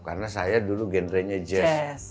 karena saya dulu genrenya jazz